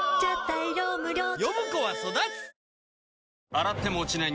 洗っても落ちない